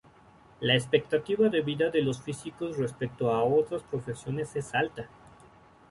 La expectativa de vida de los físicos respecto a otras profesiones es alta.